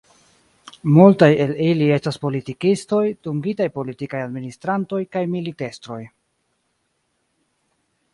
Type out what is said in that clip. Multaj el ili estas politikistoj, dungitaj politikaj administrantoj, kaj militestroj.